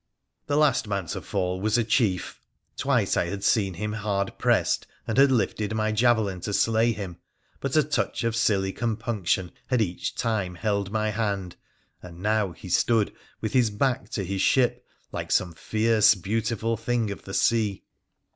The last man to fall was a chief. Twice I had seen him hard pressed, and had lifted my javelin to slay him, but a touch of silly compunction had each time held my hand, and now he stood with his back to his ship like some fierce beauti ful thing of the sea.